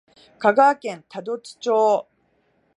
香川県多度津町